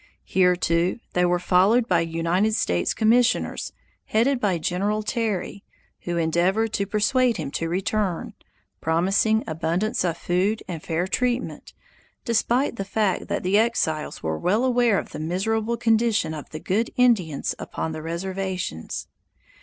Here, too, they were followed by United States commissioners, headed by General Terry, who endeavored to persuade him to return, promising abundance of food and fair treatment, despite the fact that the exiles were well aware of the miserable condition of the "good Indians" upon the reservations.